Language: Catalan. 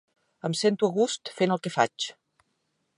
Em sento a gust fent el que faig.